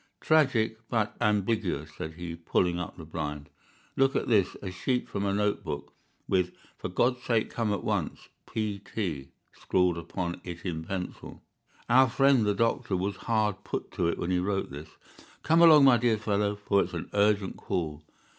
"Tragic, but ambiguous," said he, pulling up the blind. "Look at this—a sheet from a note book, with 'For God's sake come at once—P.T.,' scrawled upon it in pencil. Our friend, the doctor, was hard put to it when he wrote this. Come along, my dear fellow, for it's an urgent call."